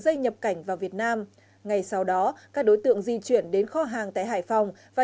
dây nhập cảnh vào việt nam ngày sau đó các đối tượng di chuyển đến kho hàng tại hải phòng và